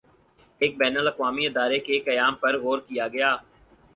ایک بین الاقوامی ادارے کے قیام پر غور کیا گیا